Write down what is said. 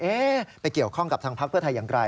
ไปเกี่ยวข้องกับทางพักเพื่อไทยอย่างไร